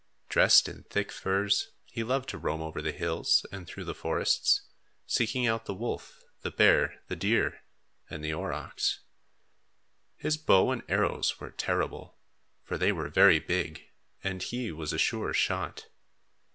Dressed in thick furs, he loved to roam over the hills and through the forests, seeking out the wolf, the bear, the deer, and the aurochs. His bow and arrows were terrible, for they were very big and he was a sure shot.